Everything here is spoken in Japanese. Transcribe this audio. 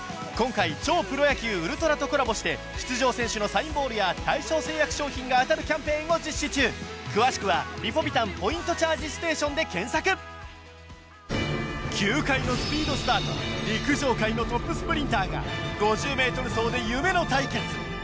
今回『超プロ野球ＵＬＴＲＡ』とコラボして出場選手のサインボールや「大正製薬」商品が当たるキャンペーンを実施中詳しくは「リポビタンポイントチャージステーション」で検索球界のスピードスターと陸上界のトップスプリンターが５０ｍ走で夢の対決